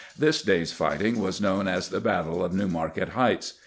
This day's fighting was known as the battle of Newmarket Heights.